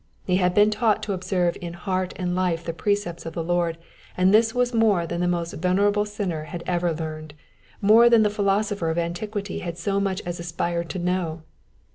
He had been taught to observe in heart and life the precepts of the Lord, and this was more than the most venerable sinner had ever learned, more than the philosopher of antiquity had so much as aspired to know.